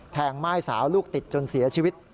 ม่ายสาวลูกติดจนเสียชีวิต